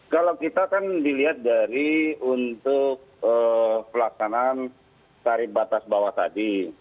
kalau kita kan dilihat dari untuk pelaksanaan tarif batas bawah tadi